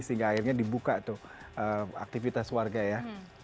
sehingga akhirnya dibuka tuh aktivitas warga ya